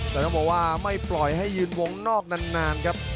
แต่ต้องบอกว่าไม่ปล่อยให้ยืนวงนอกนานครับ